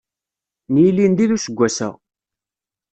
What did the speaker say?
N yilindi d useggas-a.